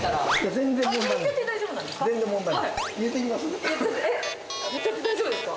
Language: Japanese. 全然大丈夫なんですか？